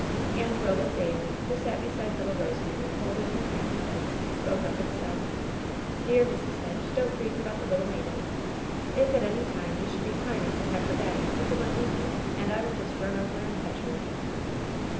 And Roland Bayard, who sat beside little Rosemary holding her hand in his, spoke up and said : "Dear Mrs. Hedge, don't grieve about the little maiden. If, at any time, you dbould be pining to have her back, you ean let me know and I will just run over and fetch her."